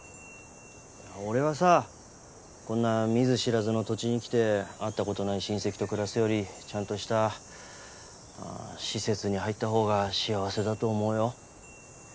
俺はさこんな見ず知らずの土地に来て会ったことない親戚と暮らすよりちゃんとした施設に入った方が幸せだと思うよ。